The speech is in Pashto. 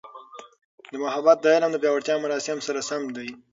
محبت د علم د پیاوړتیا مرام سره سم دی.